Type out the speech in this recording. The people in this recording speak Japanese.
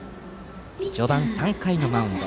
序盤、３回のマウンド。